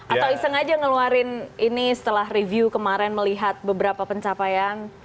atau iseng aja ngeluarin ini setelah review kemarin melihat beberapa pencapaian